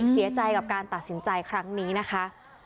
เสียใจกับการตัดสินใจครั้งนี้นะคะ